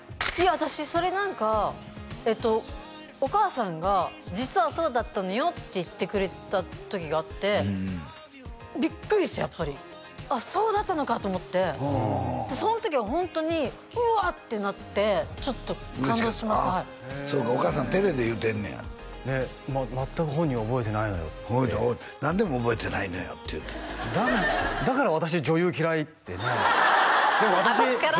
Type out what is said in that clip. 私それ何かお母さんが実はそうだったのよって言ってくれた時があってビックリしてやっぱりそうだったのかと思ってその時はホントに「うわっ！」ってなってちょっと感動しましたそうかお母さん照れで言うてんねやねっ「全く本人は覚えてないのよ」って「何でも覚えてないのよ」って言うてた「だから私女優嫌い」ってね私から？